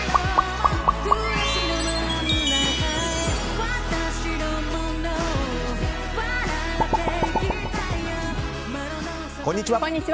こんにちは。